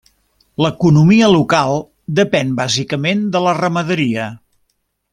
L'economia local depèn bàsicament de la ramaderia.